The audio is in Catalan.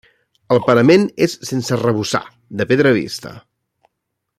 El parament és sense arrebossar, de pedra vista.